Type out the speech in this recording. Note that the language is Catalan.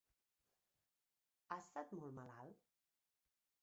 Ha estat molt malalt?